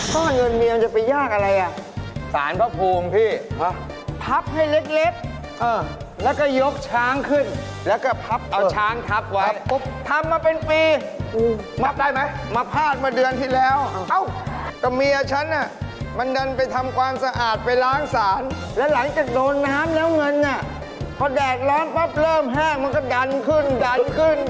ตัดสินและประกาศรายชื่อผู้ได้รับรางวัลทุกวันเวลาสิบเก้านาฬิกาทางเฟซบุ๊กแกงป่วนด้วนรับรางวัลทุกวัน